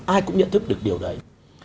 ai cũng nhận thức được điều đấy